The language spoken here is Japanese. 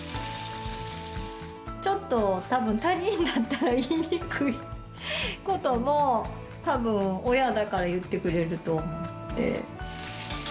ちょっと、他人だったら言いにくいことも、たぶん親だから言ってくれると思って。